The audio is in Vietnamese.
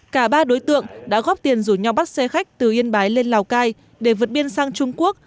cả ba đối tượng đã góp tiền rủ nhau bắt xe khách từ yên bái lên lào cai để vượt biên sang trung quốc